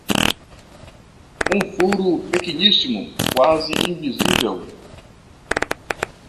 Um furo pequeníssimo, quase invisível.